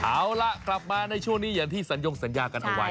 เอาล่ะกลับมาในช่วงนี้อย่างที่สัญญงสัญญากันเอาไว้